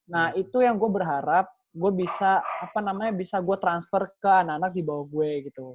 nah itu yang gua berharap gua bisa transfer ke anak anak di bawah gue